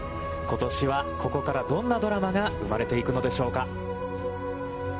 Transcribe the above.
ことしは、ここからどんなドラマが生まれていくのでしょうか。